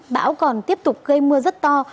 bão còn tiếp tục gây mưa rất to